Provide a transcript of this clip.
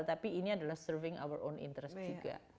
tapi ini adalah serving our own interest juga